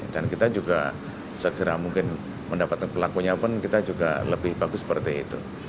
dan kita juga segera mungkin mendapatkan pelakunya pun kita juga lebih bagus seperti itu